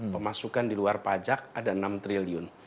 pemasukan di luar pajak ada enam triliun